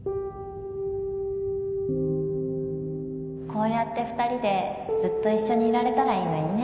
こうやって２人でずっと一緒にいられたらいいのにね